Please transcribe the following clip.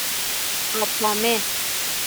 آپامه